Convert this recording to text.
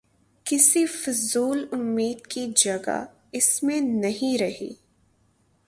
کسی فضول امید کی جگہ اس میں نہیں رہی۔